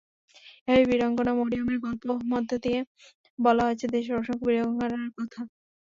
এভাবেই বীরাঙ্গনা মরিয়মের গল্পের মধ্য দিয়ে বলা হয়েছে দেশের অসংখ্য বীরাঙ্গনার কথা।